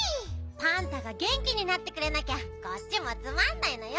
パンタがげんきになってくれなきゃこっちもつまんないのよ。